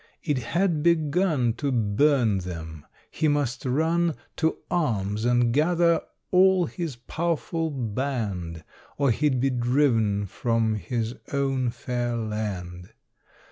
It had begun to burn them: he must run To arms, and gather all his powerful band, Or he'd be driven from his own fair land.